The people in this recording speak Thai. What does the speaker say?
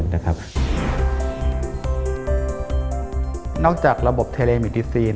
นอกจากระบบเทเลมิติซีน